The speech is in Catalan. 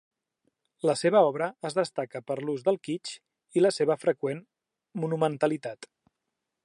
La seva obra es destaca per l'ús del kitsch i la seva freqüent monumentalitat.